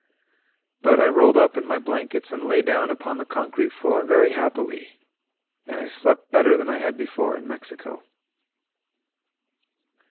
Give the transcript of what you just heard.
.•. But I rolled up in my blankets and lay down upon the concrete floor very happily. And I slept better than I had before in Mexico.